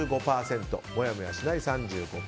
もやもやしない、３５％。